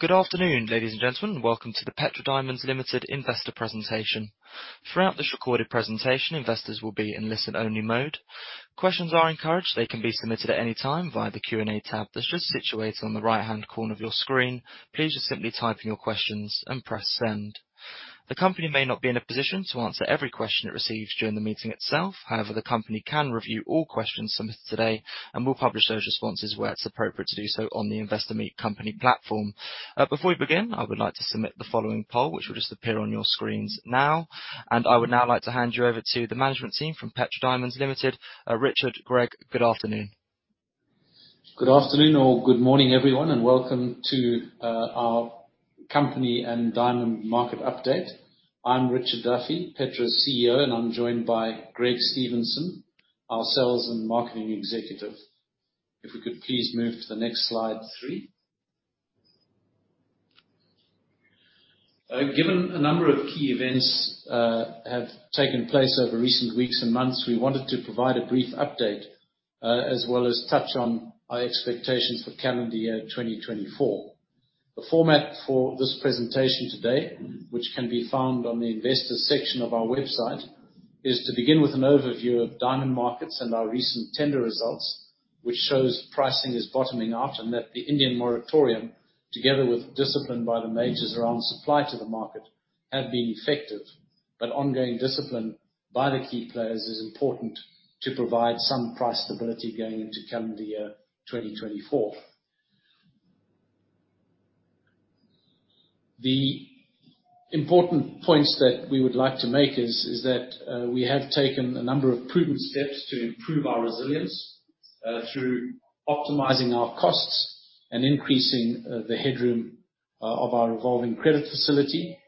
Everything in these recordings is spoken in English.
Good afternoon, ladies and gentlemen. Welcome to the Petra Diamonds Limited Investor Presentation. Throughout this recorded presentation, investors will be in listen-only mode. Questions are encouraged. They can be submitted at any time via the Q&A tab that's just situated on the right-hand corner of your screen. Please just simply type in your questions and press send. The company may not be in a position to answer every question it receives during the meeting itself. However, the company can review all questions submitted today and will publish those responses where it's appropriate to do so on the Investor Meet Company platform. Before we begin, I would like to submit the following poll, which will just appear on your screens now, and I would now like to hand you over to the management team from Petra Diamonds Limited. Richard, Greg, good afternoon. Good afternoon or good morning, everyone, and welcome to our company and diamond market update. I'm Richard Duffy, Petra's CEO, and I'm joined by Greg Stephenson, our sales and marketing executive. If we could please move to the next slide three. Given a number of key events have taken place over recent weeks and months, we wanted to provide a brief update, as well as touch on our expectations for calendar year 2024. The format for this presentation today, which can be found on the investors section of our website, is to begin with an overview of diamond markets and our recent tender results, which shows pricing is bottoming out, and that the Indian moratorium, together with discipline by the majors around supply to the market, have been effective. But ongoing discipline by the key players is important to provide some price stability going into calendar year 2024. The important points that we would like to make is that we have taken a number of prudent steps to improve our resilience through optimizing our costs and increasing the headroom of our revolving credit facility.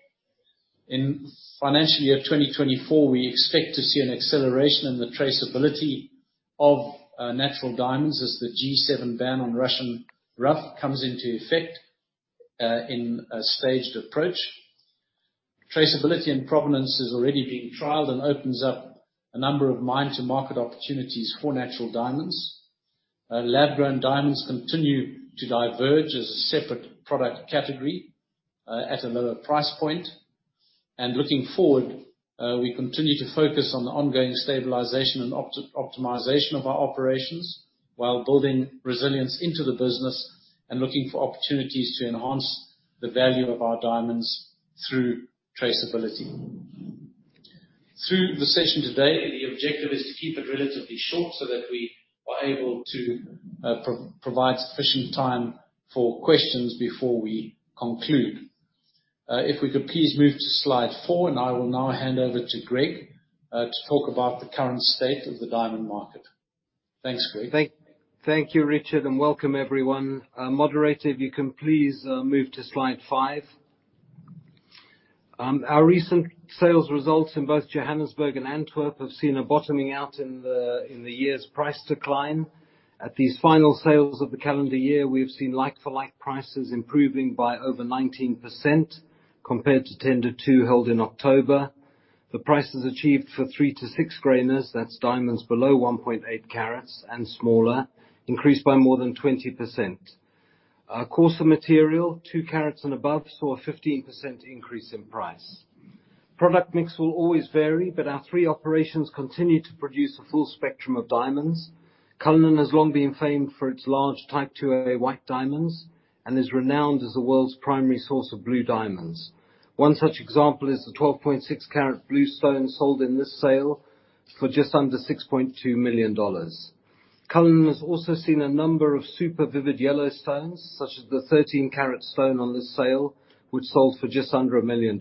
In financial year 2024, we expect to see an acceleration in the traceability of natural diamonds as the G7 ban on Russian rough comes into effect in a staged approach. Traceability and provenance is already being trialed and opens up a number of mine-to-market opportunities for natural diamonds. Lab-grown diamonds continue to diverge as a separate product category at a lower price point. Looking forward, we continue to focus on the ongoing stabilization and optimization of our operations, while building resilience into the business and looking for opportunities to enhance the value of our diamonds through traceability. Through the session today, the objective is to keep it relatively short so that we are able to provide sufficient time for questions before we conclude. If we could please move to slide four, and I will now hand over to Greg to talk about the current state of the diamond market. Thanks, Greg. Thank you, Richard, and welcome everyone. Moderator, if you can please, move to slide five. Our recent sales results in both Johannesburg and Antwerp have seen a bottoming out in the year's price decline. At these final sales of the calendar year, we've seen like-for-like prices improving by over 19% compared to Tender 2, held in October. The prices achieved for 3-6 grainers, that's diamonds below 1.8 carats and smaller, increased by more than 20%. Coarser material, 2 carats and above, saw a 15% increase in price. Product mix will always vary, but our three operations continue to produce a full spectrum of diamonds. Cullinan has long been famed for its large Type IIa white diamonds and is renowned as the world's primary source of blue diamonds. One such example is the 12.6-carat blue stone sold in this sale for just under $6.2 million. Cullinan has also seen a number of super vivid yellow stones, such as the 13-carat stone on this sale, which sold for just under $1 million.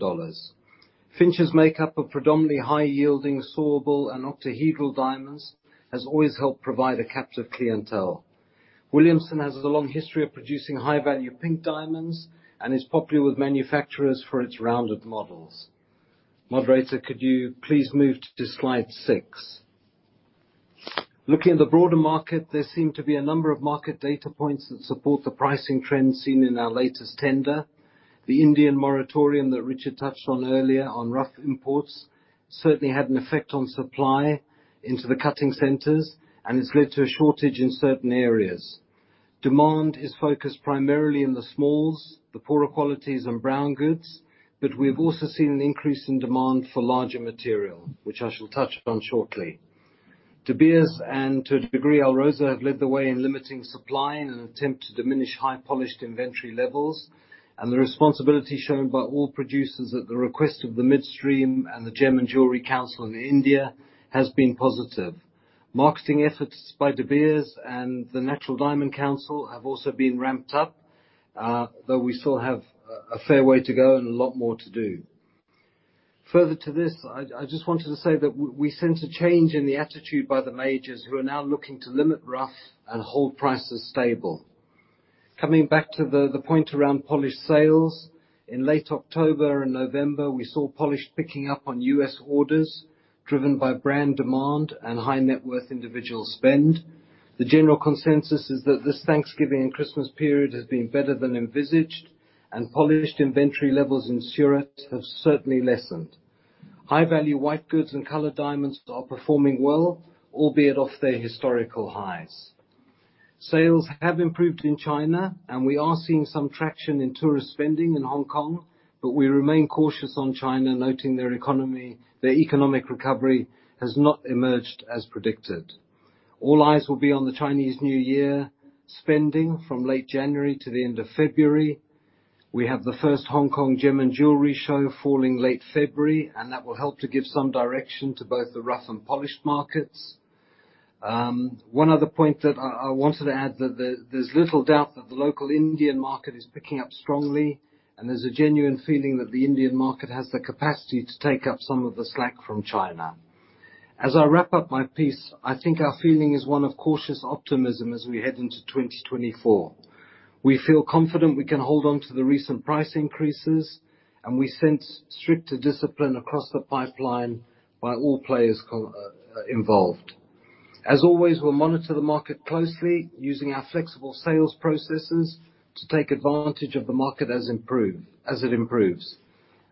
Finsch's makeup of predominantly high-yielding, sawable, and octahedral diamonds has always helped provide a captive clientele. Williamson has a long history of producing high-value pink diamonds and is popular with manufacturers for its rounded models. Moderator, could you please move to slide six? Looking at the broader market, there seem to be a number of market data points that support the pricing trends seen in our latest tender. The Indian moratorium that Richard touched on earlier on rough imports certainly had an effect on supply into the cutting centers and has led to a shortage in certain areas. Demand is focused primarily in the smalls, the poorer qualities, and brown goods, but we've also seen an increase in demand for larger material, which I shall touch on shortly. De Beers, and to a degree, Alrosa, have led the way in limiting supply in an attempt to diminish high polished inventory levels, and the responsibility shown by all producers at the request of the midstream and the Gem and Jewellery Council in India has been positive. Marketing efforts by De Beers and the Natural Diamond Council have also been ramped up, though we still have a fair way to go and a lot more to do. Further to this, I just wanted to say that we sense a change in the attitude by the majors, who are now looking to limit rough and hold prices stable. Coming back to the point around polished sales, in late October and November, we saw polished picking up on U.S. orders, driven by brand demand and high-net-worth individual spend. The general consensus is that this Thanksgiving and Christmas period has been better than envisaged, and polished inventory levels in Surat have certainly lessened. High-value white goods and colored diamonds are performing well, albeit off their historical highs. Sales have improved in China, and we are seeing some traction in tourist spending in Hong Kong, but we remain cautious on China, noting their economy their economic recovery has not emerged as predicted. All eyes will be on the Chinese New Year spending from late January to the end of February. We have the first Hong Kong Gem and Jewellery Show falling late February, and that will help to give some direction to both the rough and polished markets. One other point that I wanted to add, there's little doubt that the local Indian market is picking up strongly, and there's a genuine feeling that the Indian market has the capacity to take up some of the slack from China. As I wrap up my piece, I think our feeling is one of cautious optimism as we head into 2024. We feel confident we can hold on to the recent price increases, and we sense stricter discipline across the pipeline by all players involved. As always, we'll monitor the market closely using our flexible sales processes to take advantage of the market as it improves.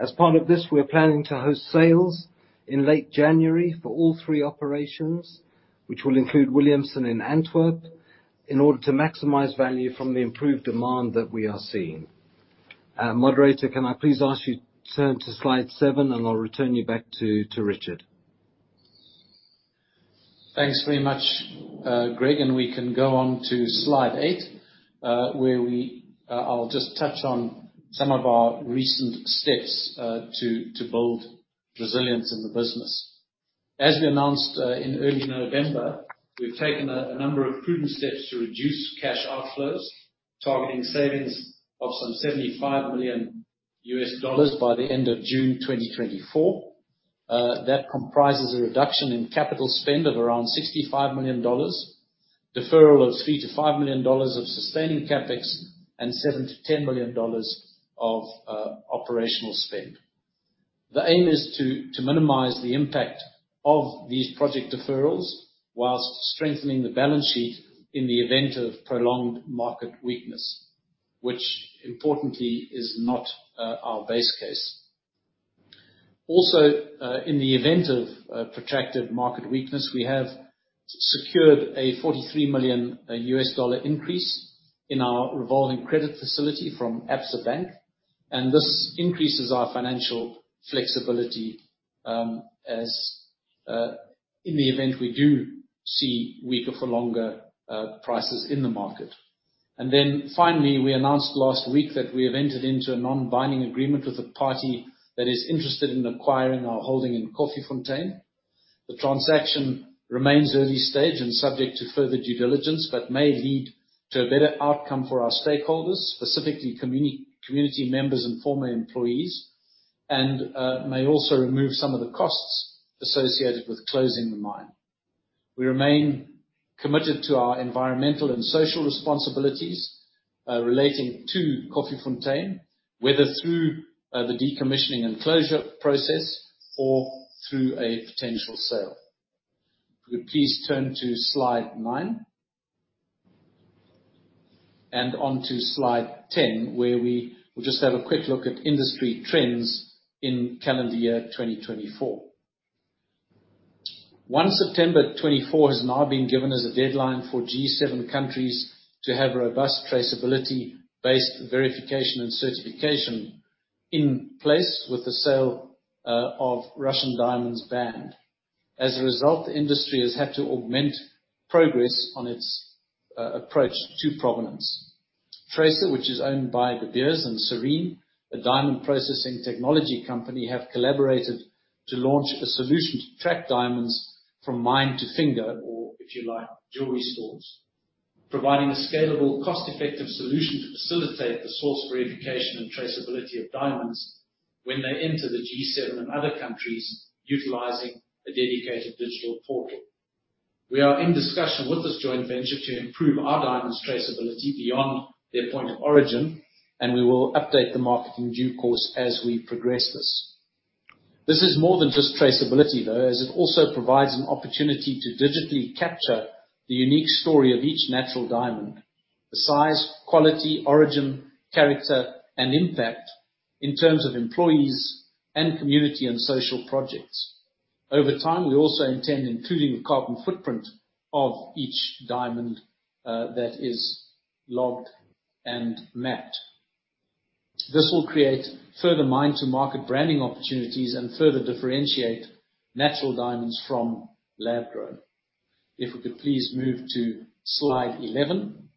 As part of this, we are planning to host sales in late January for all three operations, which will include Williamson and Antwerp, in order to maximize value from the improved demand that we are seeing. Moderator, can I please ask you to turn to slide seven, and I'll return you back to Richard. Thanks very much, Greg, and we can go on to slide eight, where we'll just touch on some of our recent steps to build resilience in the business. As we announced in early November, we've taken a number of prudent steps to reduce cash outflows, targeting savings of some $75 million by the end of June 2024. That comprises a reduction in capital spend of around $65 million, deferral of $3 million-$5 million of sustaining CapEx, and $7 million-$10 million of operational spend. The aim is to minimize the impact of these project deferrals while strengthening the balance sheet in the event of prolonged market weakness, which importantly is not our base case. Also, in the event of protracted market weakness, we have secured a $43 million increase in our revolving credit facility from Absa Bank, and this increases our financial flexibility, as in the event we do see weaker for longer prices in the market. And then finally, we announced last week that we have entered into a non-binding agreement with a party that is interested in acquiring our holding in Koffiefontein. The transaction remains early-stage and subject to further due diligence, but may lead to a better outcome for our stakeholders, specifically community members and former employees, and may also remove some of the costs associated with closing the mine. We remain committed to our environmental and social responsibilities relating to Koffiefontein, whether through the decommissioning and closure process or through a potential sale. Could you please turn to Slide nine? On to Slide 10, where we will just have a quick look at industry trends in calendar year 2024. 1 September 2024 has now been given as a deadline for G7 countries to have robust traceability-based verification and certification in place with the sale of Russian diamonds banned. As a result, the industry has had to augment progress on its approach to provenance. Tracr, which is owned by De Beers and Sarine, a diamond processing technology company, have collaborated to launch a solution to track diamonds from mine to finger, or if you like, jewelry stores. Providing a scalable, cost-effective solution to facilitate the source verification and traceability of diamonds when they enter the G7 and other countries utilizing a dedicated digital portal. We are in discussion with this joint venture to improve our diamonds traceability beyond their point of origin, and we will update the market in due course as we progress this. This is more than just traceability, though, as it also provides an opportunity to digitally capture the unique story of each natural diamond, the size, quality, origin, character, and impact in terms of employees, and community and social projects. Over time, we also intend including the carbon footprint of each diamond, that is logged and mapped. This will create further mine-to-market branding opportunities and further differentiate natural diamonds from lab-grown. If we could please move to Slide 11.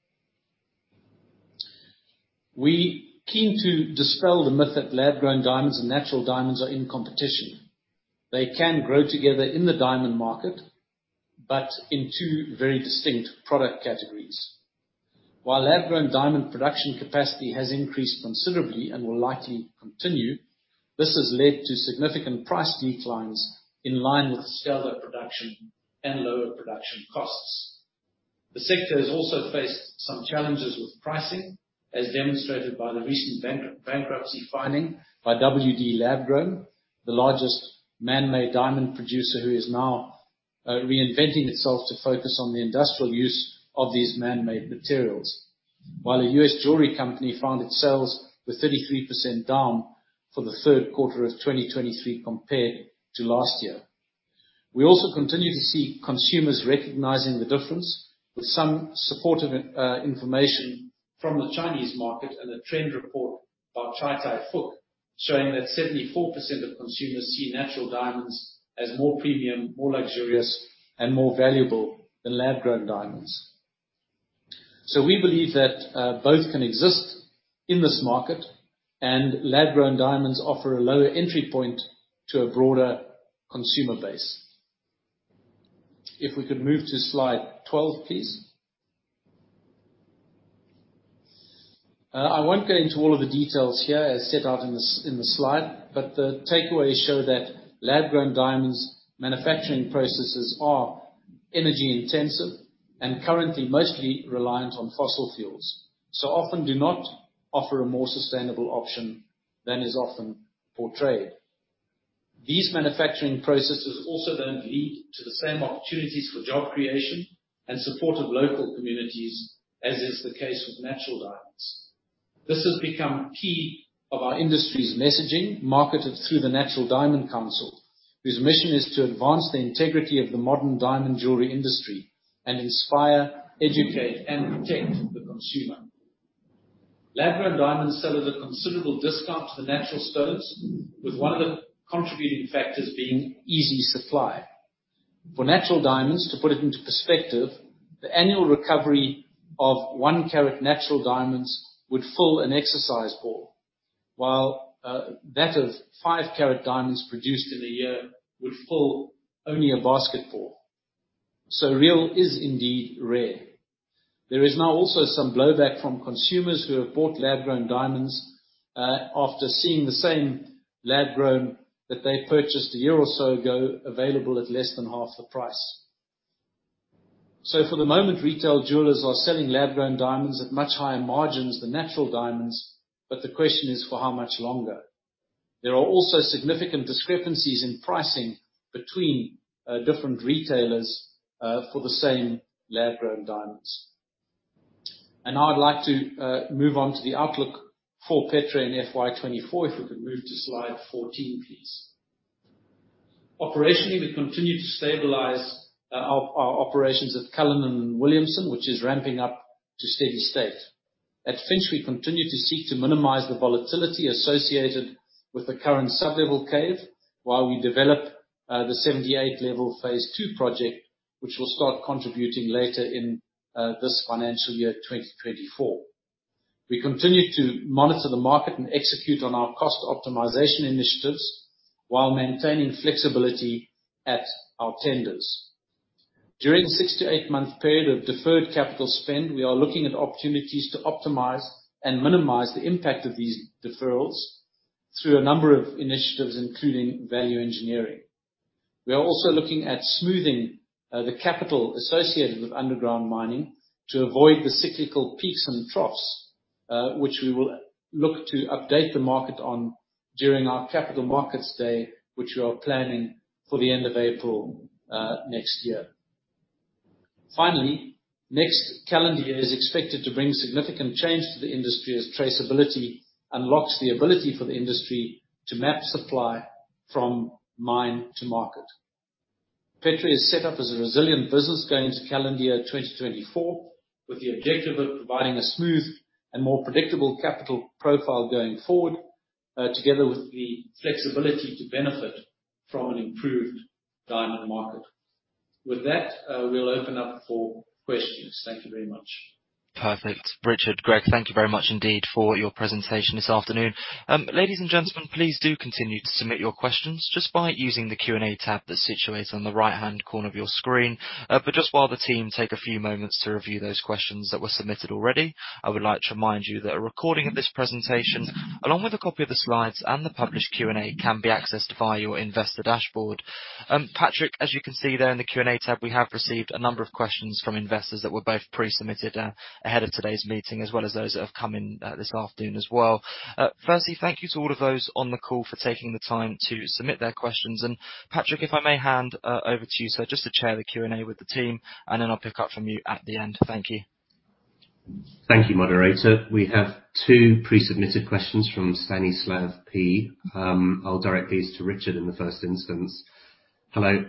We are keen to dispel the myth that lab-grown diamonds and natural diamonds are in competition. They can grow together in the diamond market, but in two very distinct product categories. While lab-grown diamond production capacity has increased considerably and will likely continue, this has led to significant price declines in line with the scale of production and lower production costs. The sector has also faced some challenges with pricing, as demonstrated by the recent bankruptcy filing by WD Lab Grown, the largest man-made diamond producer, who is now reinventing itself to focus on the industrial use of these man-made materials. While a U.S. jewelry company found its sales were 33% down for the third quarter of 2023 compared to last year. We also continue to see consumers recognizing the difference, with some supportive information from the Chinese market and a trend report by Chow Tai Fook, showing that 74% of consumers see natural diamonds as more premium, more luxurious, and more valuable than lab-grown diamonds. So we believe that both can exist in this market, and lab-grown diamonds offer a lower entry point to a broader consumer base. If we could move to slide 12, please. I won't go into all of the details here, as set out in the slide, but the takeaways show that lab-grown diamonds manufacturing processes are energy-intensive and currently mostly reliant on fossil fuels, so often do not offer a more sustainable option than is often portrayed. These manufacturing processes also don't lead to the same opportunities for job creation and support of local communities, as is the case with natural diamonds. This has become key of our industry's messaging, marketed through the Natural Diamond Council, whose mission is to advance the integrity of the modern diamond jewelry industry and inspire, educate, and protect the consumer. Lab-grown diamonds sell at a considerable discount to the natural stones, with one of the contributing factors being easy supply. For natural diamonds, to put it into perspective, the annual recovery of 1-carat natural diamonds would fill an exercise ball, while that of 5-carat diamonds produced in a year would fill only a basketball. So real is indeed rare. There is now also some blowback from consumers who have bought lab-grown diamonds after seeing the same lab-grown that they purchased a year or so ago, available at less than half the price. So for the moment, retail jewelers are selling lab-grown diamonds at much higher margins than natural diamonds, but the question is, for how much longer? There are also significant discrepancies in pricing between different retailers for the same lab-grown diamonds. Now I'd like to move on to the outlook for Petra in FY 2024. If we could move to Slide 14, please. Operationally, we continue to stabilize our operations at Cullinan and Williamson, which is ramping up to steady state. At Finsch, we continue to seek to minimize the volatility associated with the current sublevel cave, while we develop the 78 level phase II project, which will start contributing later in this financial year, 2024. We continue to monitor the market and execute on our cost optimization initiatives while maintaining flexibility at our tenders. During the 6-8-month period of deferred capital spend, we are looking at opportunities to optimize and minimize the impact of these deferrals through a number of initiatives, including value engineering. We are also looking at smoothing, the capital associated with underground mining to avoid the cyclical peaks and troughs, which we will look to update the market on during our Capital Markets Day, which we are planning for the end of April, next year. Finally, next calendar year is expected to bring significant change to the industry, as traceability unlocks the ability for the industry to map supply from mine to market. Petra is set up as a resilient business going to calendar year 2024, with the objective of providing a smooth and more predictable capital profile going forward, together with the flexibility to benefit from an improved diamond market. With that, we'll open up for questions. Thank you very much. Perfect. Richard, Greg, thank you very much indeed for your presentation this afternoon. Ladies and gentlemen, please do continue to submit your questions just by using the Q&A tab that's situated on the right-hand corner of your screen. But just while the team take a few moments to review those questions that were submitted already, I would like to remind you that a recording of this presentation, along with a copy of the slides and the published Q&A, can be accessed via your investor dashboard. Patrick, as you can see there in the Q&A tab, we have received a number of questions from investors that were both pre-submitted, ahead of today's meeting, as well as those that have come in, this afternoon as well. Firstly, thank you to all of those on the call for taking the time to submit their questions. Patrick, if I may hand over to you, sir, just to chair the Q&A with the team, and then I'll pick up from you at the end. Thank you. Thank you, moderator. We have two pre-submitted questions from Stanislav P. I'll direct these to Richard in the first instance. Hello,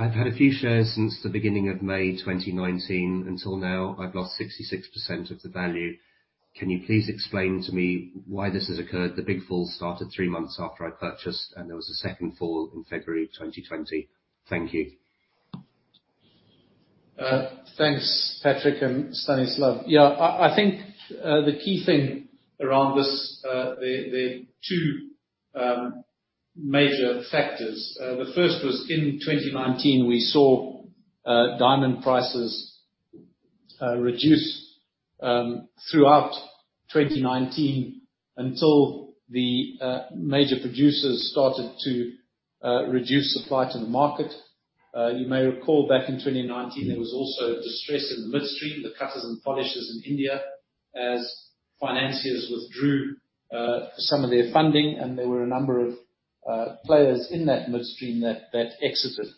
I've had a few shares since the beginning of May 2019. Until now, I've lost 66% of the value. Can you please explain to me why this has occurred? The big fall started three months after I purchased, and there was a second fall in February 2020. Thank you. Thanks, Patrick and Stanislav. Yeah, I think the key thing around this, the two major factors. The first was in 2019, we saw diamond prices reduce throughout 2019 until the major producers started to reduce supply to the market. You may recall, back in 2019, there was also distress in the midstream, the cutters and polishers in India, as financiers withdrew some of their funding, and there were a number of players in that midstream that exited.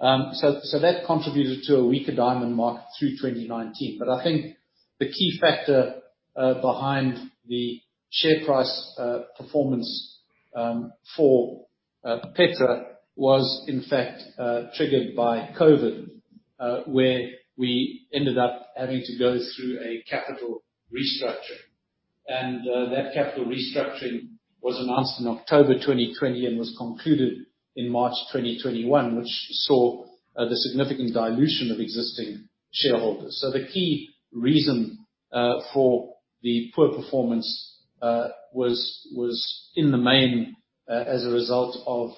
So that contributed to a weaker diamond market through 2019. But I think the key factor behind the share price performance for Petra was in fact triggered by COVID, where we ended up having to go through a capital restructuring. That capital restructuring was announced in October 2020, and was concluded in March 2021, which saw the significant dilution of existing shareholders. So the key reason for the poor performance was in the main as a result of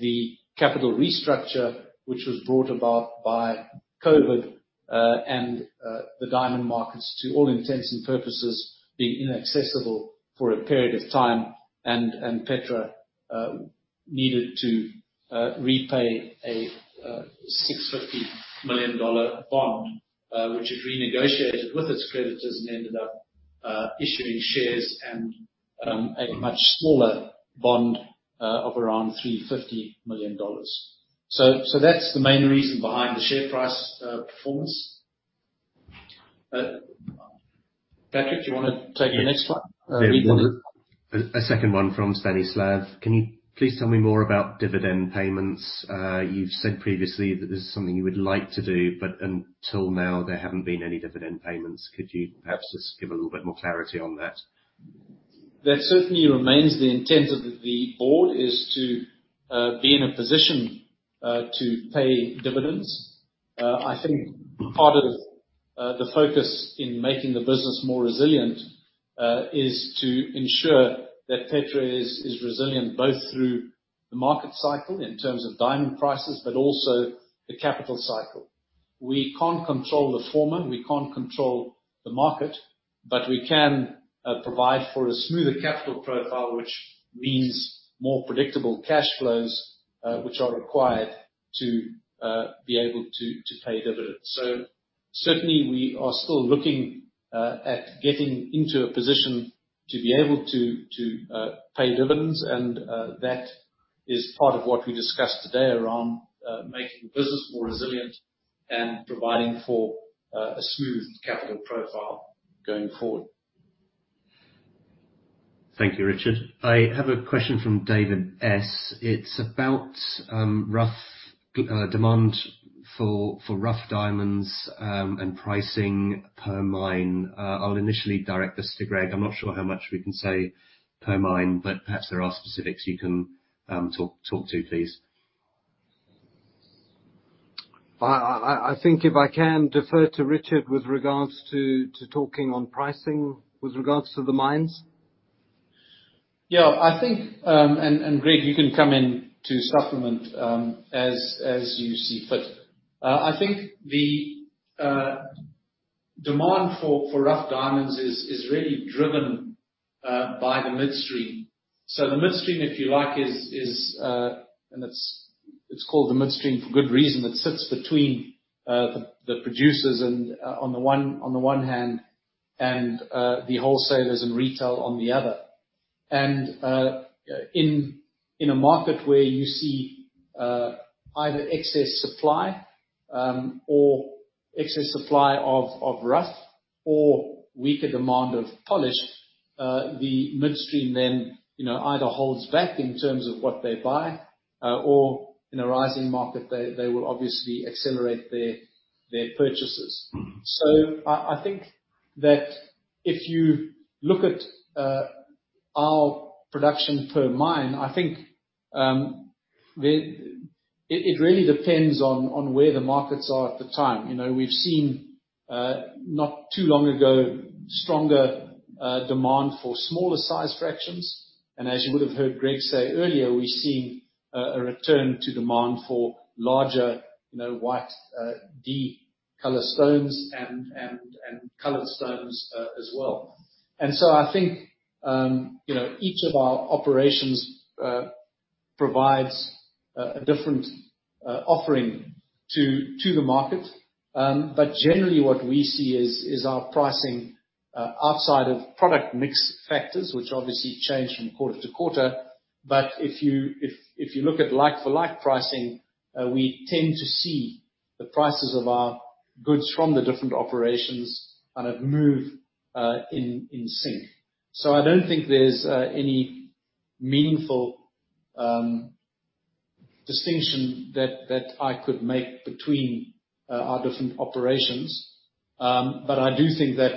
the capital restructure, which was brought about by COVID and the diamond markets, to all intents and purposes, being inaccessible for a period of time, and Petra needed to repay a $650 million bond, which it renegotiated with its creditors and ended up issuing shares and a much smaller bond of around $350 million. So that's the main reason behind the share price performance. Patrick, do you wanna take the next one? Yes. A second one from Stanislav. Can you please tell me more about dividend payments? You've said previously that this is something you would like to do, but until now, there haven't been any dividend payments. Could you perhaps just give a little bit more clarity on that? That certainly remains the intent of the board, is to be in a position to pay dividends. I think part of the focus in making the business more resilient is to ensure that Petra is resilient both through the market cycle in terms of diamond prices, but also the capital cycle. We can't control the former, we can't control the market, but we can provide for a smoother capital profile, which means more predictable cash flows, which are required to be able to pay dividends. So certainly we are still looking at getting into a position to be able to pay dividends, and that is part of what we discussed today around making the business more resilient and providing for a smooth capital profile going forward. Thank you, Richard. I have a question from David S. It's about rough demand for rough diamonds and pricing per mine. I'll initially direct this to Greg. I'm not sure how much we can say per mine, but perhaps there are specifics you can talk to, please. I think if I can defer to Richard with regards to talking on pricing with regards to the mines. Yeah, I think, Greg, you can come in to supplement, as you see fit. I think the demand for rough diamonds is really driven by the midstream. So the midstream, if you like, is called the midstream for good reason. It sits between the producers and, on the one hand, and the wholesalers and retail on the other. And in a market where you see either excess supply or excess supply of rough or weaker demand of polished, the midstream then, you know, either holds back in terms of what they buy or in a rising market, they will obviously accelerate their purchases. Mm-hmm. So I think that if you look at our production per mine, I think it really depends on where the markets are at the time. You know, we've seen not too long ago stronger demand for smaller size fractions, and as you would have heard Greg say earlier, we've seen a return to demand for larger, you know, white D color stones, and colored stones as well. And so I think you know each of our operations provides a different offering to the market. But generally, what we see is our pricing, outside of product mix factors, which obviously change from quarter to quarter, but if you look at like-for-like pricing, we tend to see the prices of our goods from the different operations kind of move in sync. So I don't think there's any meaningful distinction that I could make between our different operations. But I do think that,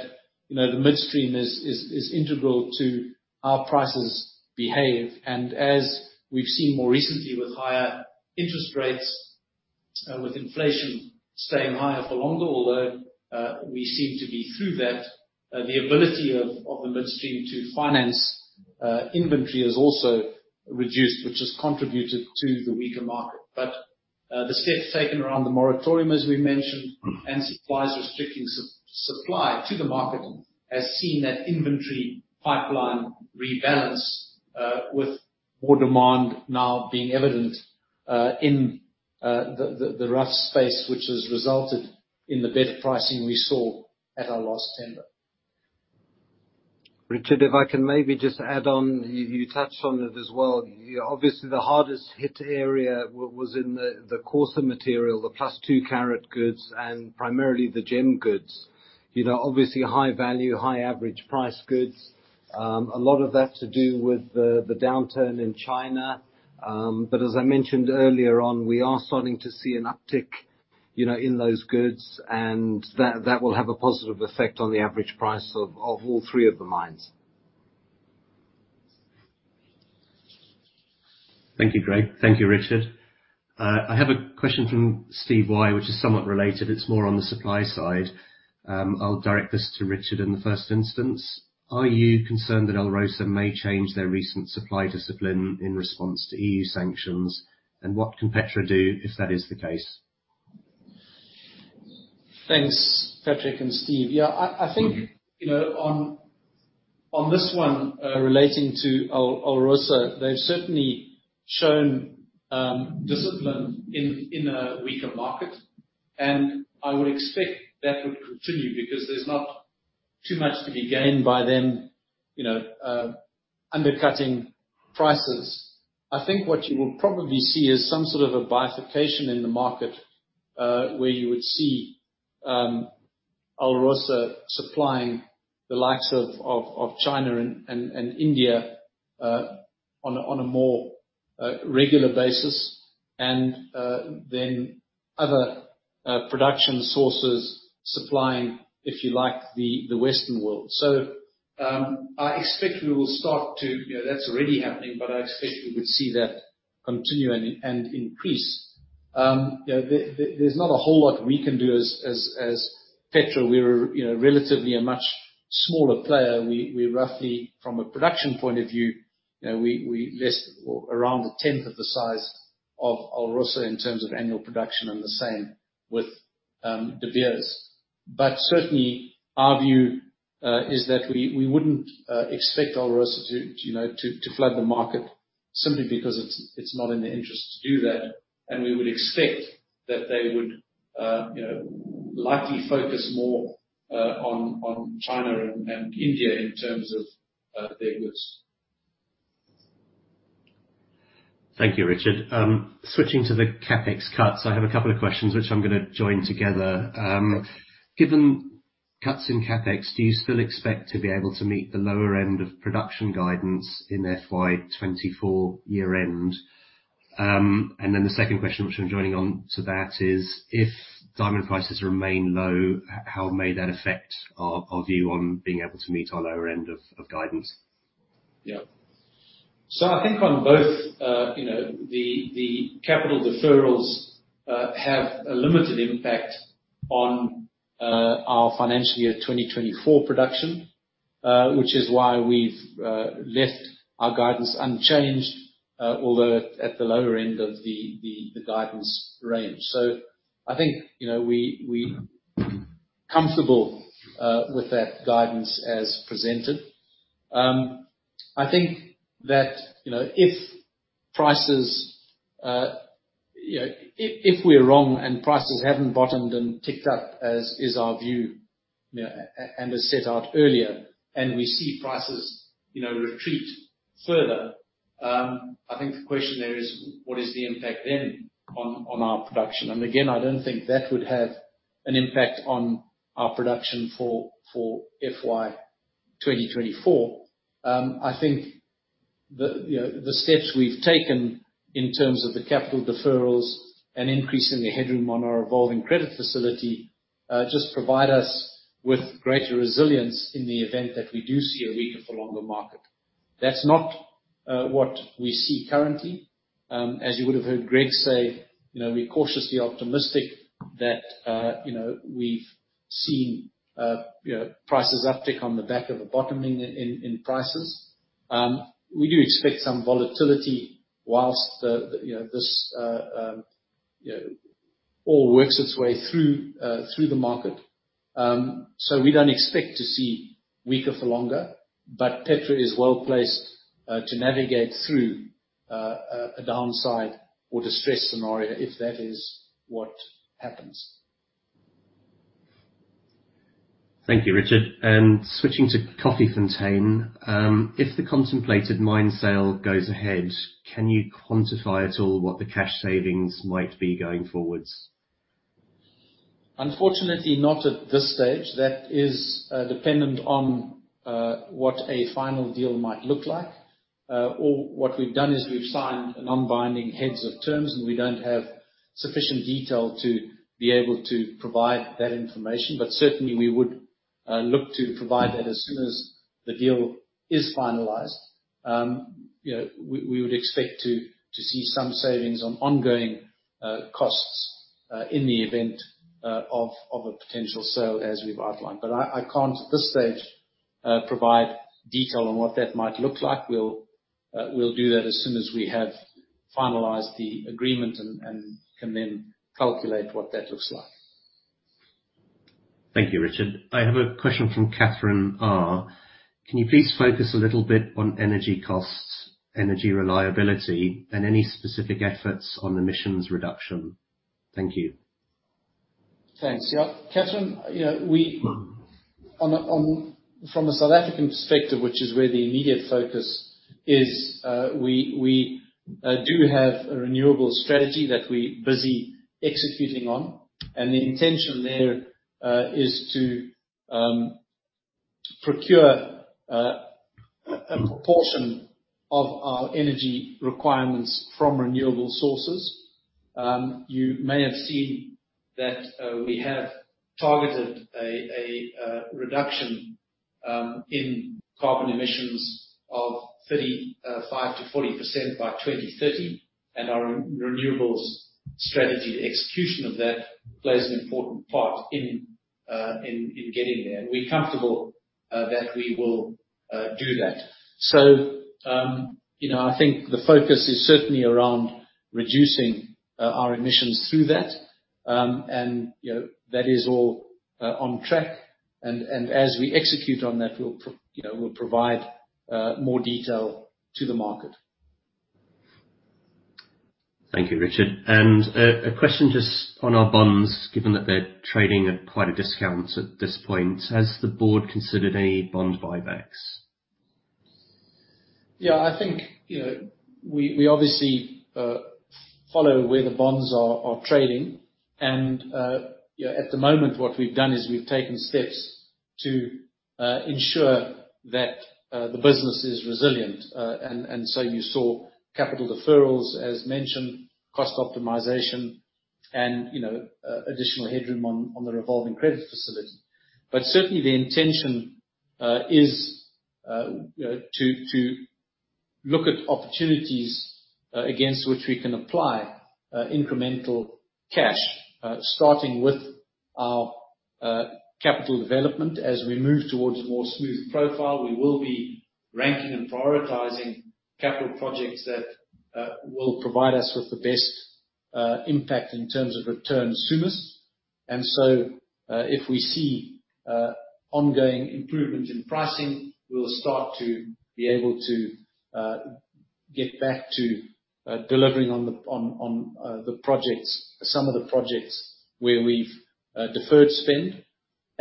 you know, the midstream is integral to how prices behave. And as we've seen more recently with higher interest rates, with inflation staying higher for longer, although we seem to be through that, the ability of the midstream to finance inventory is also reduced, which has contributed to the weaker market. The steps taken around the moratorium, as we mentioned, and suppliers restricting supply to the market, has seen that inventory pipeline rebalance, with more demand now being evident, in the rough space, which has resulted in the better pricing we saw at our last tender. Richard, if I can maybe, just add on, you touched on it as well. Obviously, the hardest hit area was in the coarser material, the plus 2 carat goods, and primarily the gem goods. You know, obviously high-value, high-average-price goods. A lot of that to do with the downturn in China. But as I mentioned earlier on, we are starting to see an uptick, you know, in those goods, and that will have a positive effect on the average price of all three of the mines. Thank you, Greg. Thank you, Richard. I have a question from Steve W, which is somewhat related. It's more on the supply side. I'll direct this to Richard in the first instance. Are you concerned that Alrosa may change their recent supply discipline in response to EU sanctions? And what can Petra do if that is the case? Thanks, Patrick and Steve. Yeah, I think, you know, on this one, relating to Alrosa, they've certainly shown discipline in a weaker market, and I would expect that would continue, because there's not too much to be gained by them, you know, undercutting prices. I think what you will probably see is some sort of a bifurcation in the market, where you would see Alrosa supplying the likes of China and India on a more regular basis, and then other production sources supplying, if you like, the Western world. So, I expect we will start to... You know, that's already happening, but I expect we would see that continue and increase. You know, there's not a whole lot we can do as Petra. We're, you know, relatively a much smaller player. We roughly, from a production point of view, you know, we less or around a tenth of the size of Alrosa in terms of annual production, and the same with De Beers. But certainly, our view is that we wouldn't expect Alrosa to, you know, to flood the market simply because it's not in their interest to do that. And we would expect that they would, you know, likely focus more on China and India in terms of their goods. Thank you, Richard. Switching to the CapEx cuts, I have a couple of questions which I'm gonna join together. Given cuts in CapEx, do you still expect to be able to meet the lower end of production guidance in FY 2024 year end? And then the second question, which I'm joining on to that, is if diamond prices remain low, how may that affect our view on being able to meet our lower end of guidance? Yeah. So I think on both, you know, the capital deferrals have a limited impact on our financial year 2024 production, which is why we've left our guidance unchanged, although at the lower end of the guidance range. So I think, you know, we're comfortable with that guidance as presented. I think that, you know, if prices, you know, if we're wrong and prices haven't bottomed and ticked up, as is our view, you know, and as set out earlier, and we see prices, you know, retreat further, I think the question there is: What is the impact then on our production? And again, I don't think that would have an impact on our production for FY 2024. I think the, you know, the steps we've taken in terms of the capital deferrals and increasing the headroom on our revolving credit facility just provide us with greater resilience in the event that we do see a weaker for longer market. That's not what we see currently. As you would have heard Greg say, you know, we're cautiously optimistic that, you know, we've seen, you know, prices uptick on the back of a bottoming in prices. We do expect some volatility whilst the, you know, this you know, all works its way through the market. So we don't expect to see weaker for longer, but Petra is well placed to navigate through a downside or distressed scenario, if that is what happens. Thank you, Richard. Switching to Koffiefontein, if the contemplated mine sale goes ahead, can you quantify at all what the cash savings might be going forward? Unfortunately, not at this stage. That is, dependent on, what a final deal might look like. All what we've done is we've signed a non-binding heads of terms, and we don't have sufficient detail to be able to provide that information, but certainly, we would look to provide that as soon as the deal is finalized. You know, we, we would expect to, to see some savings on ongoing, costs, in the event, of a potential sale, as we've outlined. But I can't, at this stage, provide detail on what that might look like. We'll, we'll do that as soon as we have finalized the agreement and can then calculate what that looks like. Thank you, Richard. I have a question from Catherine R: Can you please focus a little bit on energy costs, energy reliability, and any specific efforts on emissions reduction? Thank you. Thanks. Yeah, Catherine, you know, we, from a South African perspective, which is where the immediate focus is, we do have a renewable strategy that we're busy executing on, and the intention there is to procure a proportion of our energy requirements from renewable sources. You may have seen that we have targeted a reduction in carbon emissions of 35%-40% by 2030, and our renewables strategy, the execution of that plays an important part in getting there. We're comfortable that we will do that. So, you know, I think the focus is certainly around reducing our emissions through that. You know, that is all on track, and as we execute on that, we'll, you know, provide more detail to the market. Thank you, Richard. A question just on our bonds, given that they're trading at quite a discount at this point. Has the board considered any bond buybacks? Yeah, I think, you know, we, we obviously follow where the bonds are, are trading, and, you know, at the moment, what we've done is we've taken steps to ensure that the business is resilient. And so you saw capital deferrals, as mentioned, cost optimization and, you know, additional headroom on, on the revolving credit facility. But certainly the intention is, you know, to look at opportunities against which we can apply incremental cash, starting with our capital development. As we move towards a more smooth profile, we will be ranking and prioritizing capital projects that will provide us with the best impact in terms of returns soonest. And so, if we see ongoing improvement in pricing, we'll start to be able to get back to delivering on the projects, some of the projects where we've deferred spend.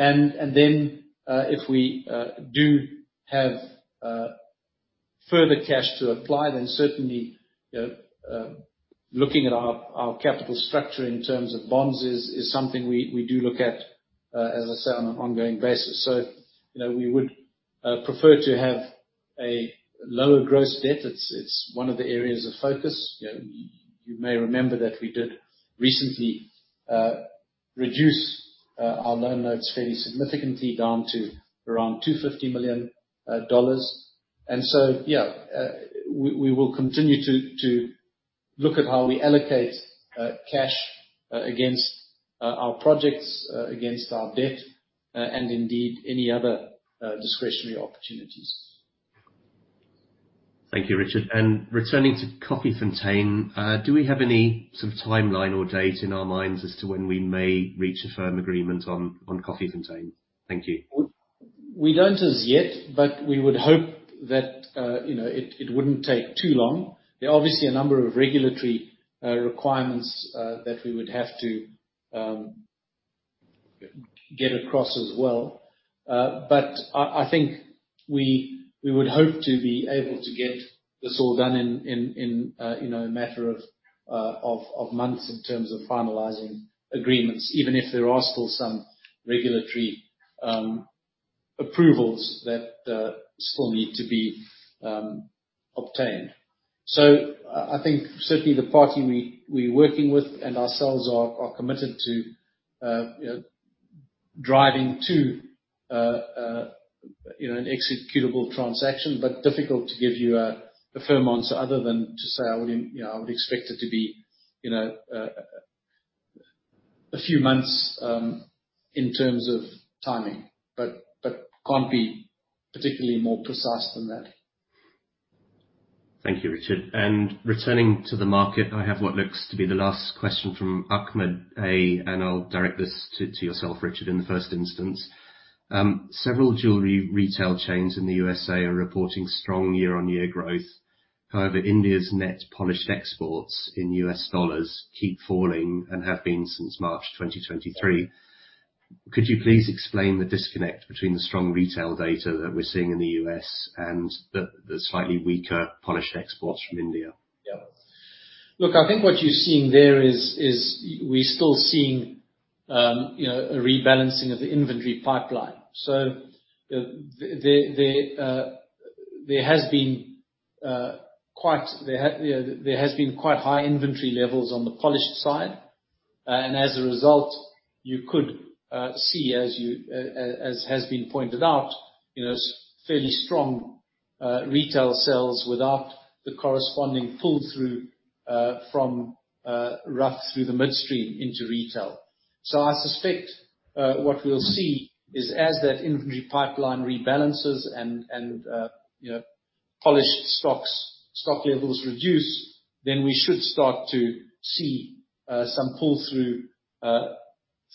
And then, if we do have further cash to apply, then certainly, you know, looking at our capital structure in terms of bonds is something we do look at, as I said, on an ongoing basis. So, you know, we would prefer to have a lower gross debt. It's one of the areas of focus. You know, you may remember that we did recently reduced our loan notes fairly significantly down to around $250 million. And so, yeah, we will continue to look at how we allocate cash against our projects, against our debt, and indeed any other discretionary opportunities. Thank you, Richard. Returning to Koffiefontein, do we have any sort of timeline or date in our minds as to when we may reach a firm agreement on Koffiefontein? Thank you. We don't as yet, but we would hope that, you know, it wouldn't take too long. There are obviously a number of regulatory requirements that we would have to get across as well. But I think we would hope to be able to get this all done in, you know, a matter of months in terms of finalizing agreements, even if there are still some regulatory approvals that still need to be obtained. So I think certainly the party we're working with and ourselves are committed to, you know, driving to a, you know, an executable transaction, but difficult to give you a firm answer other than to say I would, you know, I would expect it to be, you know, a few months in terms of timing, but can't be particularly more precise than that. Thank you, Richard. Returning to the market, I have what looks to be the last question from Ahmed A, and I'll direct this to yourself, Richard, in the first instance. Several jewelry retail chains in the U.S. are reporting strong year-on-year growth. However, India's net polished exports in U.S. dollars keep falling and have been since March 2023. Could you please explain the disconnect between the strong retail data that we're seeing in the U.S. and the slightly weaker polished exports from India? Yeah. Look, I think what you're seeing there is we're still seeing, you know, a rebalancing of the inventory pipeline. So there has been quite high inventory levels on the polished side. And as a result, you could see as has been pointed out, you know, fairly strong retail sales without the corresponding pull-through from rough through the midstream into retail. So I suspect what we'll see is as that inventory pipeline rebalances and, you know, polished stock levels reduce, then we should start to see some pull-through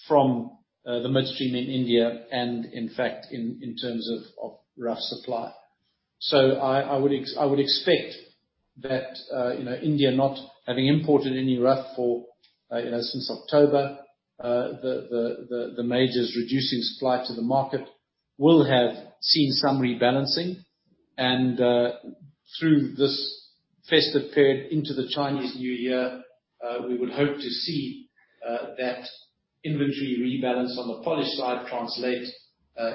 from the midstream in India, and in fact, in terms of rough supply. So I would expect that, you know, India not having imported any rough for, you know, since October, the majors reducing supply to the market will have seen some rebalancing. And through this festive period into the Chinese New Year, we would hope to see that inventory rebalance on the polished side translate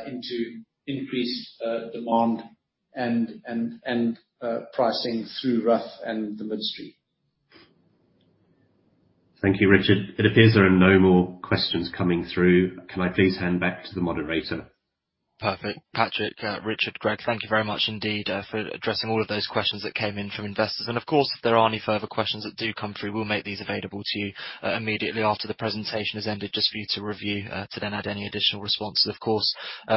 into increased demand and pricing through rough and the midstream. Thank you, Richard. It appears there are no more questions coming through. Can I please hand back to the moderator? Perfect. Patrick, Richard, Greg, thank you very much indeed for addressing all of those questions that came in from investors. And of course, if there are any further questions that do come through, we'll make these available to you immediately after the presentation has ended, just for you to review, to then add any additional responses, of course,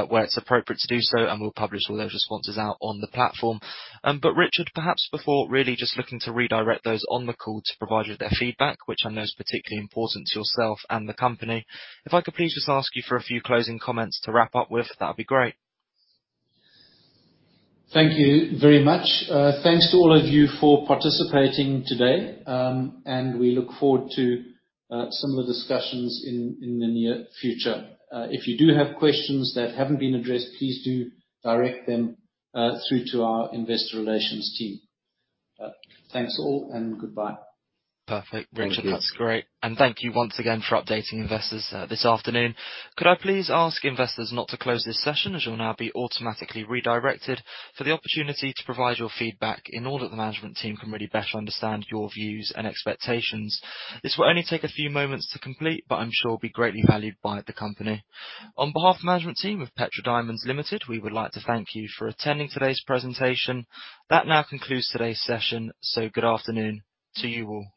where it's appropriate to do so, and we'll publish all those responses out on the platform. But Richard, perhaps before really just looking to redirect those on the call to provide you with their feedback, which I know is particularly important to yourself and the company, if I could please just ask you for a few closing comments to wrap up with, that'd be great. Thank you very much. Thanks to all of you for participating today, and we look forward to some of the discussions in the near future. If you do have questions that haven't been addressed, please do direct them through to our investor relations team. Thanks, all, and goodbye. Perfect. Thank you. Richard, that's great, and thank you once again for updating investors, this afternoon. Could I please ask investors not to close this session, as you'll now be automatically redirected, for the opportunity to provide your feedback in order that the management team can really better understand your views and expectations. This will only take a few moments to complete, but I'm sure will be greatly valued by the company. On behalf of the management team of Petra Diamonds Limited, we would like to thank you for attending today's presentation. That now concludes today's session, so good afternoon to you all.